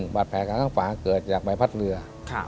๑บาดแผลกลางฟ้าเกิดจากใบพัดเรือ